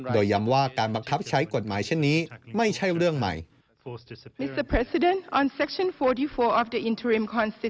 โดยย้ำว่าการบังคับใช้กฎหมายเช่นนี้ไม่ใช่เรื่องใหม่